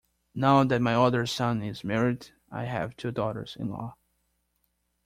Now that my other son is married I have two daughters-in-law.